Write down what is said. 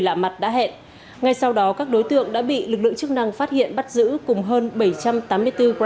lạ mặt đã hẹn ngay sau đó các đối tượng đã bị lực lượng chức năng phát hiện bắt giữ cùng hơn bảy trăm tám mươi bốn gram